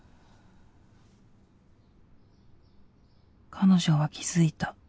彼女は気づいた。